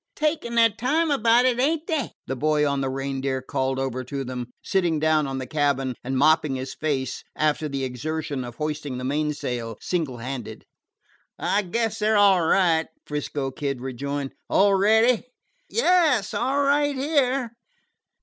"Takin' their time about it, ain't they?" the boy on the Reindeer called over to them, sitting down on the cabin and mopping his face after the exertion of hoisting the mainsail single handed. "Guess they 're all right," 'Frisco Kid rejoined. "All ready?" "Yes all right here."